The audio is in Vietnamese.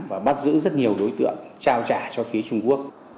và bắt giữ rất nhiều đối tượng trao trả cho phía trung quốc